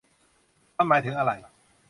มันหมายถึงอะไร ?